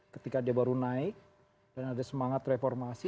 ketika dia baru naik dan ada semangat reformasi